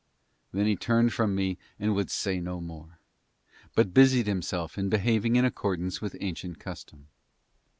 Then he turned from me and would say no more, but busied himself in behaving in accordance with ancient custom.